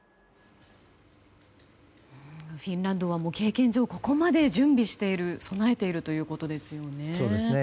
フィンランドは経験上、ここまで準備して備えているということですよね。